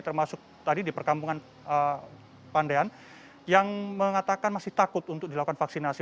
termasuk tadi di perkampungan pandean yang mengatakan masih takut untuk dilakukan vaksinasi